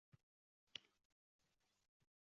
— Ular ustidan hukmimni yurgizaman, — dedi korchalon.